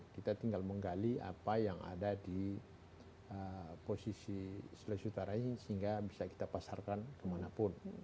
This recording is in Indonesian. kita tinggal menggali apa yang ada di posisi sulawesi utara ini sehingga bisa kita pasarkan kemanapun